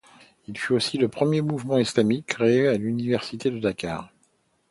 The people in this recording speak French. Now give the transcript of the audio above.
Il fut aussi le premier mouvement islamique créé à l'université de Dakar.